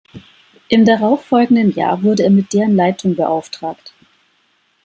Im darauf folgenden Jahr wurde er mit deren Leitung beauftragt.